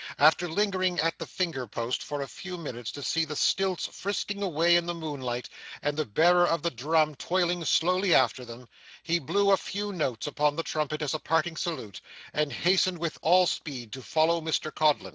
After lingering at the finger post for a few minutes to see the stilts frisking away in the moonlight and the bearer of the drum toiling slowly after them, he blew a few notes upon the trumpet as a parting salute, and hastened with all speed to follow Mr Codlin.